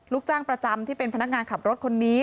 ลูกจ้างประจำที่เป็นพนักงานขับรถคนนี้